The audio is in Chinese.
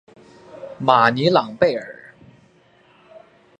马尼朗贝尔。